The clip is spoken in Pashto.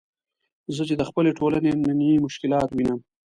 زه چې د خپلې ټولنې نني مشکلات وینم.